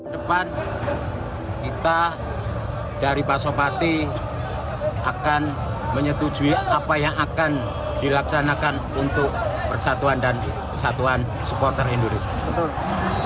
depan kita dari pasopati akan menyetujui apa yang akan dilaksanakan untuk persatuan dan kesatuan supporter indonesia